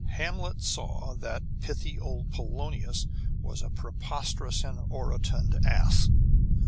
Hamlet saw that pithy old Polonius was a preposterous and orotund ass.